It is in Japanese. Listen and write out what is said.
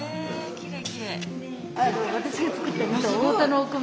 きれいきれい！